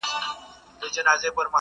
• هر سړي ته خپله ورځ او قسمت ګوري -